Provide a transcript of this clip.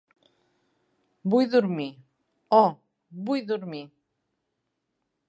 Vull dormir - oh, vull dormir.